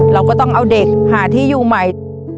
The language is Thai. เราก็ต้องเอาเด็กหาที่อยู่ใหม่